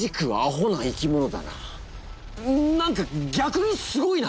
何かぎゃくにすごいな！